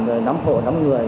địa bàn nắm khổ nắm người